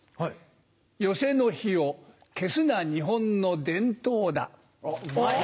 寄席の日を消すな日本のデントウだ。